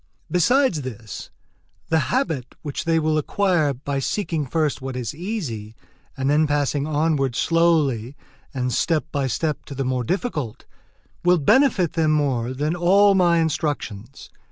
Besides this, the habit which they will acquire, by seeking first what is easy, and then passing onward slowly and step by step to the more difficult, will benefit them more than all my instructions.